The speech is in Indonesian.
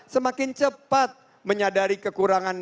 semakin cepat menyadari kekurangan